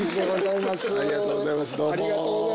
ありがとうございますどうも。